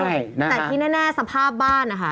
ใช่แต่ที่แน่สภาพบ้านนะคะ